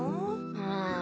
うん。